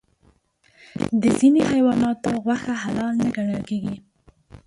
د ځینې حیواناتو غوښه حلال نه ګڼل کېږي.